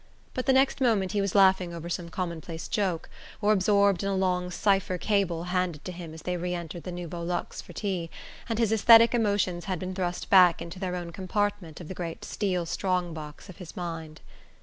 But the next moment he was laughing over some commonplace joke, or absorbed in a long cipher cable handed to him as they re entered the Nouveau Luxe for tea, and his aesthetic emotions had been thrust back into their own compartment of the great steel strong box of his mind.